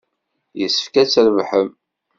Yessefk ad trebḥem.